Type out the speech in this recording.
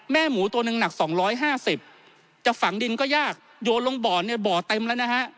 หมูตัวหนึ่งหนัก๒๕๐จะฝังดินก็ยากโยนลงบ่อเนี่ยบ่อเต็มแล้วนะฮะ